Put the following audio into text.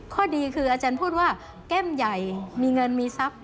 ข้อดีคืออาจารย์พูดว่าแก้มใหญ่มีเงินมีทรัพย์